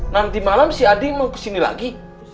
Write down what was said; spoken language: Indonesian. nanti malam si adik mau kesini lagi